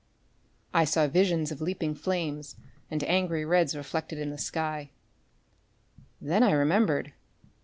I saw visions of leaping flames and angry reds reflected in the sky. Then I remembered.